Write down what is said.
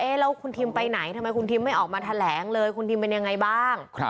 แล้วคุณทิมไปไหนทำไมคุณทิมไม่ออกมาแถลงเลยคุณทิมเป็นยังไงบ้าง